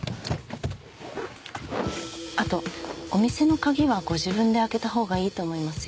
あとお店の鍵はご自分で開けたほうがいいと思いますよ。